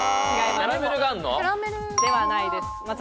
ではないです。